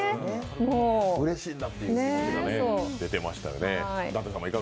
うれしいんだという気持ちが出ていましたよね。